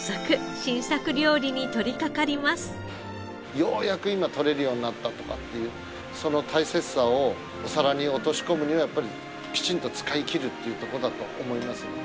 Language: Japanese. ようやく今とれるようになったとかっていうその大切さをお皿に落とし込むには。というとこだと思いますので。